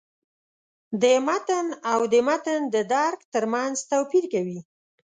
د «متن» او «د متن د درک» تر منځ توپیر کوي.